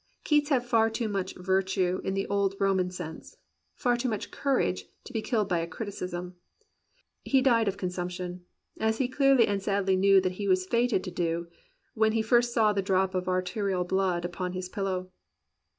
Keats had far too much virtue in the old Roman sense — far too much courage, to be killed by a criticism. He died of consumption, as he clearly and sadly knew that he was fated to do when he first saw the drop of arterial blood upon his pillow.